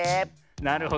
なるほどね。